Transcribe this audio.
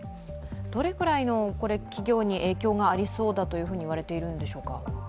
どれくらいの企業に影響がありそうだと言われているんでしょうか？